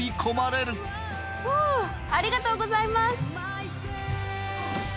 フウありがとうございます！